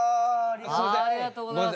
ありがとうございます！